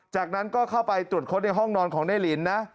จากนั้นก็เข้าไปตรวจค้นในห้องนอนของนายลินนะ